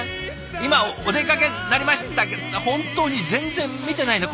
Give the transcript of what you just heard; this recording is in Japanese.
今お出かけになりましたけど本当に全然見てないねこちらもね。